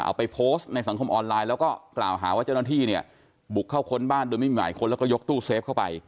เอาไปโพสต์ในสังคมออนไลน์แล้วก็กล่าวหาว่าเจ้าหน้าที่เนี่ยบุกเข้าค้นบ้านโดยไม่มีหมายค้นแล้วก็ยกตู้เซฟเข้าไป